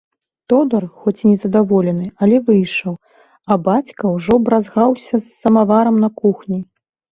Тодар, хоць і незадаволены, але выйшаў, а бацька ўжо бразгаўся з самаварам на кухні.